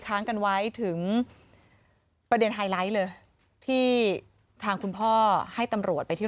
ค้างกันไว้ถึงประเด็นไฮไลท์เลยที่ทางคุณพ่อให้ตำรวจไปที่